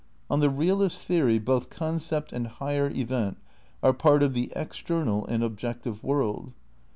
On the realist theory both concept and higher event are part of the external and objective world.